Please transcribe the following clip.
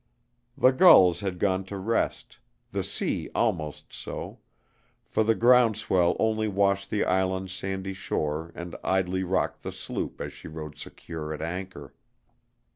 The gulls had gone to rest, the sea almost so, for the ground swell only washed the island's sandy shore and idly rocked the sloop as she rode secure at anchor.